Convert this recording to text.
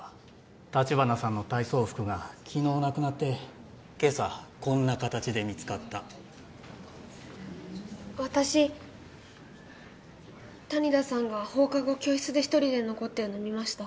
橘さんの体操服が昨日なくなって今朝こんな形で見つかった私谷田さんが放課後教室で一人で残ってるの見ました